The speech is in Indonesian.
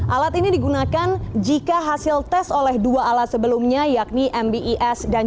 alat ini digunakan jika hasil tes oleh dua alat sebelumnya yakni mbes